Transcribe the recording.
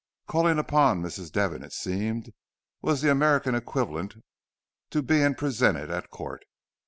Calling upon Mrs. Devon, it seemed, was the American equivalent to being presented at court.